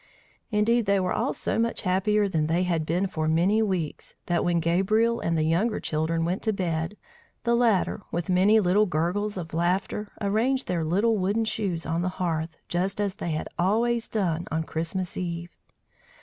Indeed, they were all so much happier than they had been for many weeks, that when Gabriel and the younger children went to bed, the latter, with many little gurgles of laughter, arranged their little wooden shoes on the hearth, just as they had always done on Christmas eve.